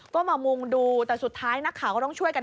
ก็มามุงดูแต่สุดท้ายนักข่าวก็ต้องช่วยกัน